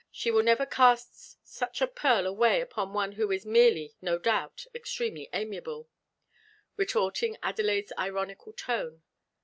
She will never cast such a pearl away upon one who is merely, no doubt, extremely amiable," retorting Adelaide's ironical tone.